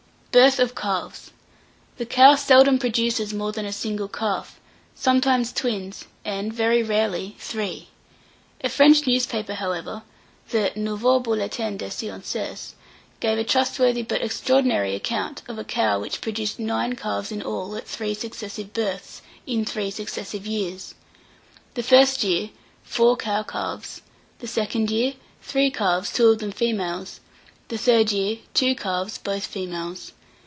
BIRTH OF CALVES. The cow seldom produces more than a single calf; sometimes, twins, and, very rarely, three. A French newspaper, however, the "Nouveau Bulletin des Sciences," gave a trustworthy but extraordinary account of a cow which produced nine calves in all, at three successive births, in three successive years. The first year, four cow calves; the second year, three calves, two of them females; the third year, two calves, both females.